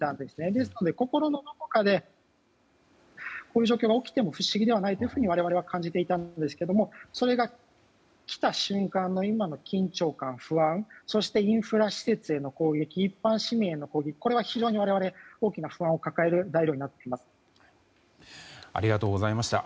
ですので、心のどこかでこういう状況が起きても不思議ではないと我々は感じていたんですけどもそれが来た瞬間の今の緊張感不安、インフラ施設への攻撃市民への攻撃大きな不安を抱えるありがとうございました。